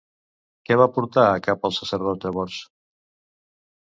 Què va portar a cap el sacerdot, llavors?